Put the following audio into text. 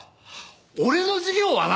俺の事業はな！